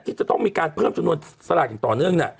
ที่จะต้องมีการเพิ่มจำนวนสลากอย่างต่อเนื่อง